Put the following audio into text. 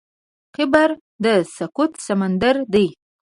قبر د سکوت سمندر دی.